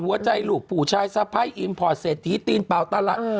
หัวใจลูกผู้ชายสะพ้ายอิมพอร์ตเศรษฐีตีนเปล่าตลาด